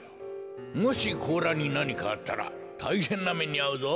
もしこうらになにかあったらたいへんなめにあうぞ。